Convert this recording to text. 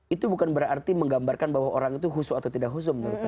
itu bukan berarti menggambarkan bahwa orang itu husuk atau tidak husum menurut saya